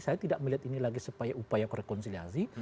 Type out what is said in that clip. saya tidak melihat ini lagi sebagai upaya kerekonsiliasi